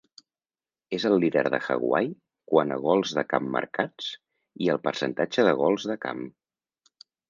És el líder de Hawaii quant a gols de camp marcats i el percentatge de gols de camp.